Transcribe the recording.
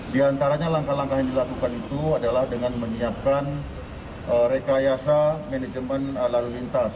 di antaranya langkah langkah yang dilakukan itu adalah dengan menyiapkan rekayasa manajemen lalu lintas